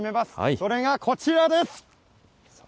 それがこちらです。